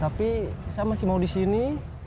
tapi saya masih mau disini